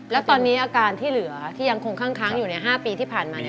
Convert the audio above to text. แล้วตอนนี้อาการที่เหลือที่ยังคงคั่งอยู่ใน๕ปีที่ผ่านมา